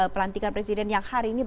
pelantikan presiden yang hari ini